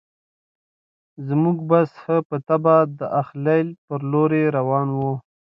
زموږ بس ښه په طبعه د الخلیل پر لوري روان و.